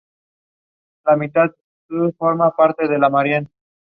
En unos nichos se ven figuras gigantescas de los dioses Apolo y Atenea.